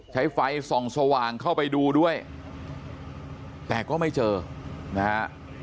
ใช้ไฟส่องสว่างเข้าไปดูด้วยแต่ก็ไม่เจอนะฮะ